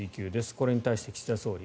これに対して岸田総理。